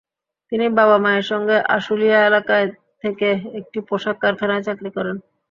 তিনি বাবা-মায়ের সঙ্গে আশুলিয়া এলাকায় থেকে একটি পোশাক কারখানায় চাকরি করেন।